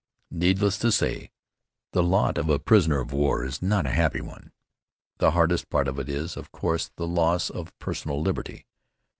Needless to say, the lot of a prisoner of war is not a happy one. The hardest part of it is, of course, the loss of personal liberty.